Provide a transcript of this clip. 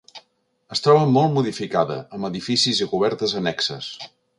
Es troba molt modificada, amb edificis i cobertes annexes.